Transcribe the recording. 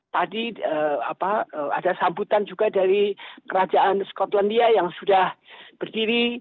tadi ada sambutan juga dari kerajaan skotlandia yang sudah berdiri